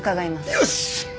よし！